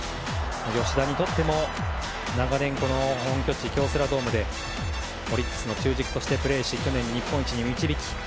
吉田にとっても長年、本拠地の京セラドームでオリックスの中軸としてプレーし去年、日本一に導き